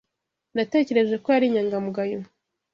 Natekereje ko yari inyangamugayo.